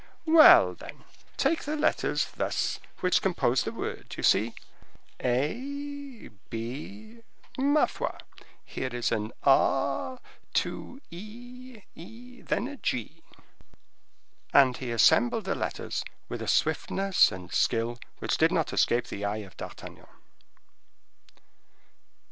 "Well, then, take the letters thus, which compose the word, you see: A B; ma foi! here is an R, two E E, then a G." And he assembled the letters with a swiftness and skill which did not escape the eye of D'Artagnan.